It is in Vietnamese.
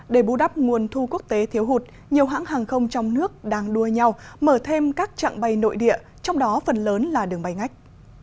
để bù đắp nguồn thu quốc tế thiếu hụt nhiều hãng hàng không trong nước đang đua nhau mở thêm các trạng bay nội địa trong đó phần lớn là đường bay ngách